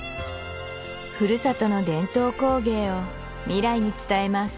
ふるさとの伝統工芸を未来に伝えます